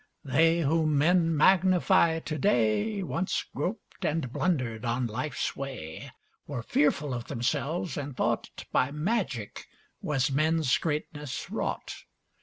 They whom men magnify to day Once groped and blundered on life's way, Were fearful of themselves, and thought By magic was men's greatness wrought.